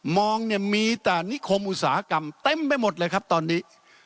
มองเนี่ยมีแต่นิคมอุตสาหกรรมเต็มไปหมดเลยครับตอนนี้